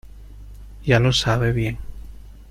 ya lo sabe. bien .